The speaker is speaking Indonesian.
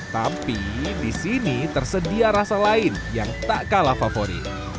tapi disini tersedia rasa lain yang tak kalah favorit